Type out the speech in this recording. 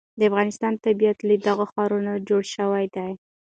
د افغانستان طبیعت له دغو ښارونو جوړ شوی دی.